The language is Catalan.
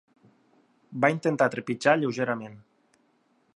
Va intentar trepitjar lleugerament.